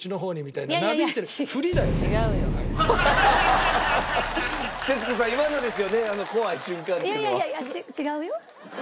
いやいや違うよ？